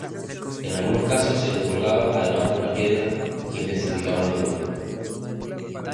En algunos casos se les colgaba además una piedra que intensificaba el dolor.